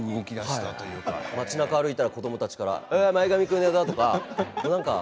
街なか歩いたら子どもたちから前髪クネ男だって。